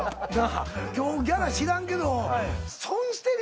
今日ギャラ知らんけど。